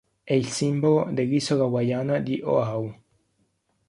È il simbolo dell'isola hawaiana di Oahu.